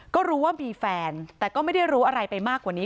ก็รู้ว่ามีแฟนแต่ก็ไม่ได้รู้อะไรไปมากกว่านี้